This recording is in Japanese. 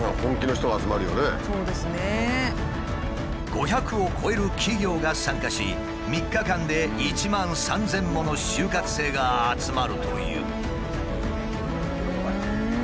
５００を超える企業が参加し３日間で１万３，０００もの就活生が集まるという。